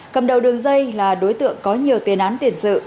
cầm đầu đường dây là đối tượng có nhiều tên án tiền dự